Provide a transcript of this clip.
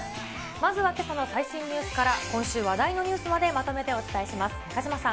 まずはけさの最新ニュースから、今週話題のニュースまでまとめてお伝えします。